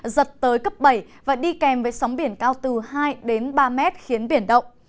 giật tới cấp bảy và đi kèm với sóng biển cao từ hai đến ba mét khiến biển động